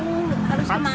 listriknya harus ke mana